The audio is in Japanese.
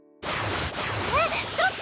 えっどっち？